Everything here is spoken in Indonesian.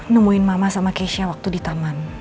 nemuin mama sama keisha waktu di taman